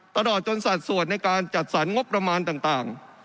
ตลอดจนสัดส่วนในการจัดสรรงบประมาณต่าง